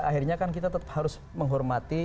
akhirnya kan kita tetap harus menghormati